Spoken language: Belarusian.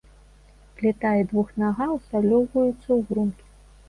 Пліта і двухнага ўсталёўваюцца ў грунт.